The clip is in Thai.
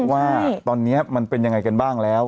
ว่าตอนนี้มันเป็นยังไงกันบ้างแล้ว